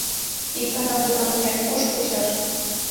Ик гана пудалымек, куш почаш?